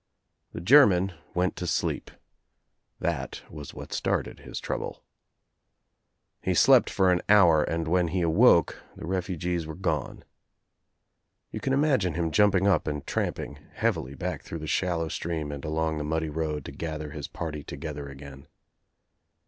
The German went to sleep. That was what started his trouble. He slept for an hour and when he awoke the refugees were gone. You can imagine him jump ing up and tramping heavily back through the shallow stream and along the muddy road to gather his party together again.